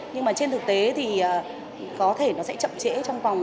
nhưng mà trên thực tế thì có thể nó sẽ chậm trễ trong vòng